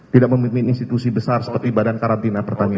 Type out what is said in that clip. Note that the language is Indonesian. tidak memimpin institusi besar seperti badan karantina pertanian